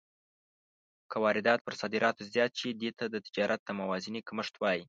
که واردات پر صادراتو زیات شي، دې ته د تجارت د موازنې کمښت وايي.